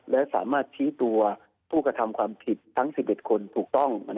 และสามารถชี้ตัวผู้กระทำความผิดทั้ง๑๑คนถูกต้อง